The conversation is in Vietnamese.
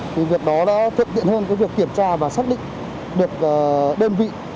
thì việc đó đã thượng tiện hơn cái việc kiểm tra và xác định được đơn vị